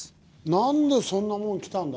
なんでそんなもん着たんだ？